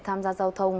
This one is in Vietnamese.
tham gia giao thông